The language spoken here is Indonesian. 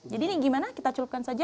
jadi ini gimana kita culupkan saja